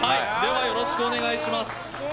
よろしくお願いします。